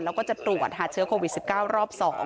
แล้วก็จะตรวจหาเชื้อโควิด๑๙รอบ๒